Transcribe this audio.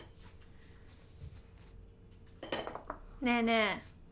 ねえねえ